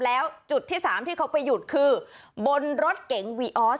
แล้วจุดที่๓ที่เขาไปหยุดคือบนรถเก๋งวีออส